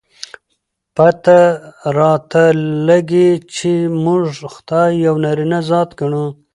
پته راته لګي، چې موږ خداى يو نارينه ذات ګڼو.